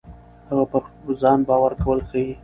هغه پر ځان باور کول ښيي.